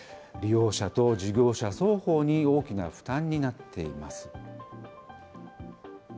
利用者と事業者双方に大きな負担になっています。